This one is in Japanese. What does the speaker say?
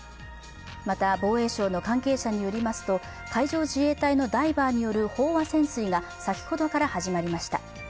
また、防衛省の関係者によりますと海上自衛隊のダイバーによる飽和潜水が先ほどから始まりました。